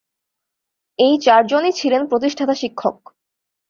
এই চার জনই ছিলেন প্রতিষ্ঠাতা শিক্ষক।